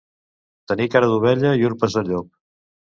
Tenir cara d'ovella i urpes de llop.